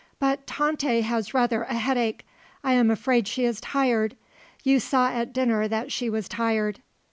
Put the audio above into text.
"But Tante has rather a headache I am afraid she is tired. You saw at dinner that she was tired."